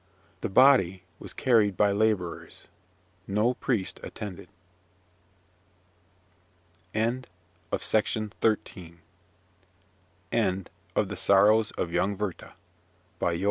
The body was carried by labourers. No priest attended. End of Project Gutenberg's The Sorrows of Young Werther, by J.W.